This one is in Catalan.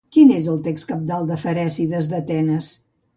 Quin és el text cabdal de Ferècides d'Atenes?